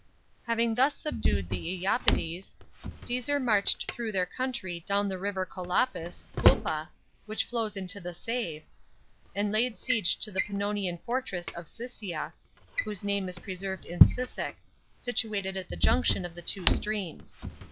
Having thus subdued the lapydes, Caesar marched through their country down the river Colapis (Kulpa), which flows into the Save, and laid siege to the Pannonian fortress of Siscia (whose name is preserved in Sissek), situated at the junction of the two streams.